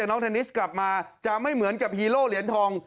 น้องเทนนิสเครื่องจะแลนดิ้ง